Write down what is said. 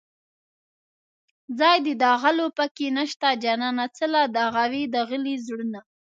ځای د داغلو په کې نشته جانانه څله داغوې داغلي زړونه